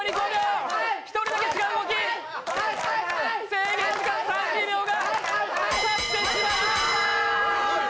制限時間３０秒がたってしまいました！